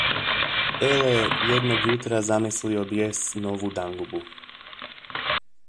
Ele, jednoga jutra zamislio bijes novu dangubu.